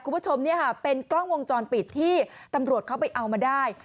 คุณผู้ชมเนี่ยค่ะเป็นกล้องวงจรปิดที่ตำรวจเขาไปเอามาได้